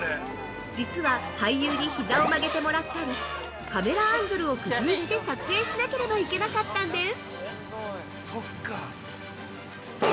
実は俳優にひざを曲げてもらったりカメラアングルを工夫して撮影しなければいけなかったんです！